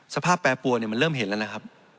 แปรปวนมันเริ่มเห็นแล้วนะครับ